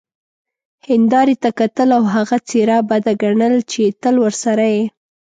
هیندارې ته کتل او هغه څیره بده ګڼل چې تل ته ورسره يې،